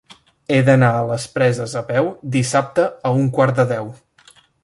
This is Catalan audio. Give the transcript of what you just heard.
He d'anar a les Preses a peu dissabte a un quart de deu.